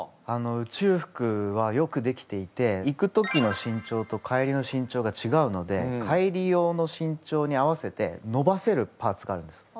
宇宙服はよくできていて行く時の身長と帰りの身長がちがうので帰り用の身長に合わせて伸ばせるパーツがあるんです。